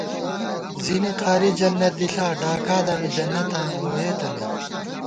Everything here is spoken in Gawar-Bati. زِنی قاری جنت دِݪا ، ڈاکا دامی جنتاں ووئېتہ نئ